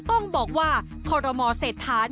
ต้องบอกว่าคเศษฐาน๑